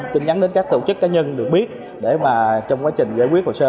tin nhắn đến các tổ chức cá nhân được biết trong quá trình giải quyết hồ sơ